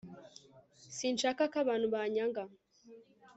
sinshaka ko abantu banyanga